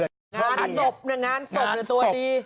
งานสบหรือตัวดี